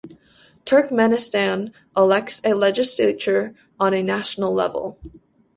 Turkmenistan elects a legislature on a national level.